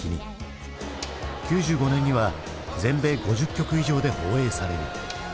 ９５年には全米５０局以上で放映される。